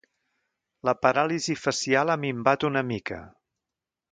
La paràlisi facial ha minvat una mica.